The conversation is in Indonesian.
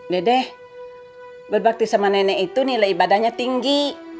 dedek berbakti sama nenek itu nilai ibadahnya tinggi